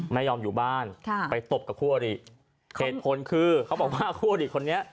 ไม่ยอมอยู่บ้านค่ะไปตบกับคู่อริเหตุผลคือเขาบอกว่าคู่อริคนนี้